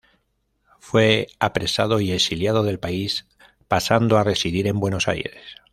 Fue apresado y exiliado del país, pasando a residir en Buenos Aires.